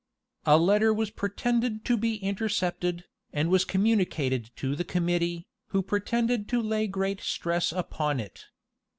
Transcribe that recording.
A letter was pretended to be intercepted, and was communicated to the committee, who pretended to lay great stress upon it.